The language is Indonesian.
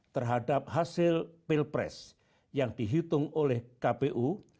terhadap hasil pilpres yang dihitung oleh kpu